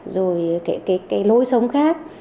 rồi cái lối sống khác